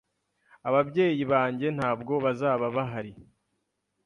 Ababyeyi banjye ntabwo bazaba bahari.